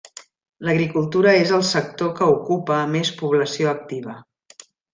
L'agricultura és el sector que ocupa a més població activa.